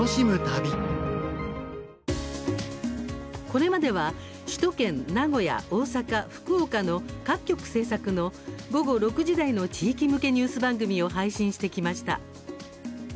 これまでは首都圏、名古屋、大阪、福岡の各局制作の午後６時台の地域向けニュース番組を配信してきました。